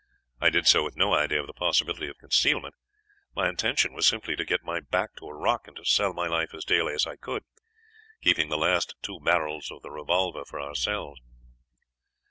I did so with no idea of the possibility of concealment. My intention was simply to get my back to a rock and to sell my life as dearly as I could, keeping the last two barrels of the revolver for ourselves.